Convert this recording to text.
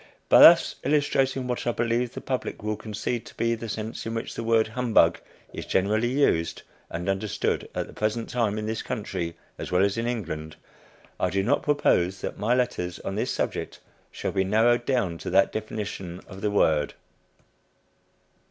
By thus illustrating what I believe the public will concede to be the sense in which the word "humbug" is generally used and understood at the present time, in this country as well as in England, I do not propose that my letters on this subject shall be narrowed down to that definition of the word.